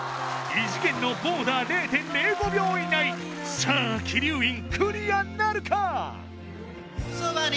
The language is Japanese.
異次元のボーダー０．０５秒以内さあ